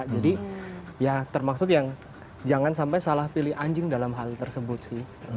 jadi ya termaksud yang jangan sampai salah pilih anjing dalam hal tersebut sih